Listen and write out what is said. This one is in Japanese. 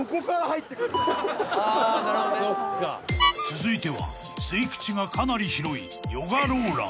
［続いては吸い口がかなり広いヨガローラー］